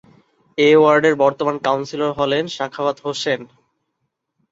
এ ওয়ার্ডের বর্তমান কাউন্সিলর হলেন সাখাওয়াত হোসেন।